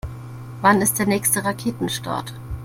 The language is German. Wann ist der nächste Raketenstart?